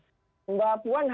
saya sudah mencari pertanyaan